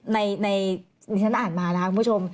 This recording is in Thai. ในที่ฉันอ่านมานะคะคุณผู้ชม